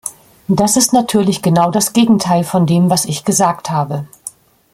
Das ist natürlich genau das Gegenteil von dem, was ich gesagt habe.